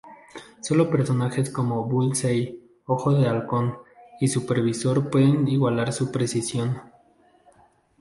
Sólo personajes como Bullseye, Ojo de Halcón, y Supervisor pueden igualar su precisión.